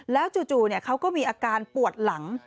แล้วจู่เขาก็มีอาการปวดหลัง